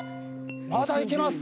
まだいけます。